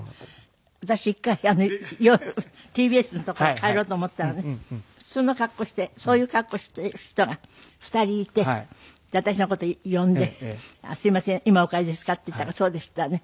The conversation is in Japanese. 私一回夜ＴＢＳの所から帰ろうと思ったらね普通の格好してそういう格好している人が２人いて私の事呼んで「すいません今お帰りですか？」って言ったから「そうです」って言ったらね